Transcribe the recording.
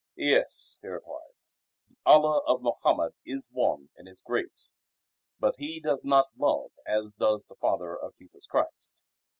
"Yes," he replied, "the Allah of Mohammed is one and is great, but He does not love as does the Father of Jesus Christ.